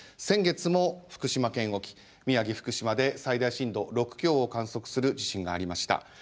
先月も福島県沖宮城福島で最大震度６強を観測する地震がありました。